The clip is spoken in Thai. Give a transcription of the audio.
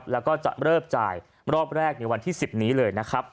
แล้วก็จะเริ่มจ่ายรอบแรกในวันที่๑๐นี้เลยนะครับ